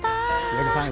八木さん